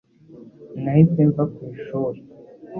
Nahise mva ku ishuri